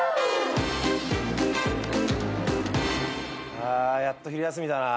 あやっと昼休みだな。